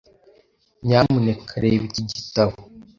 Nyamuneka reba iki gitabo.